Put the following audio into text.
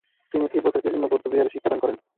তিনি তিব্বতের বিভিন্ন বৌদ্ধবিহারে শিক্ষাদান করেন।